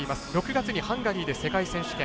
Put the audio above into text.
６月にハンガリーで世界選手権。